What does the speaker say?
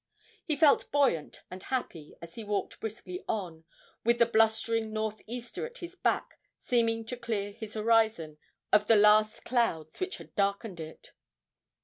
He felt buoyant and happy as he walked briskly on, with the blustering north easter at his back seeming to clear his horizon of the last clouds which had darkened it.